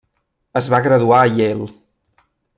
Es va graduar a Yale.